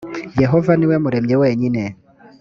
yehova ni we muremyi wenyine